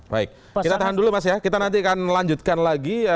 baik kita tahan dulu mas ya kita nanti akan lanjutkan lagi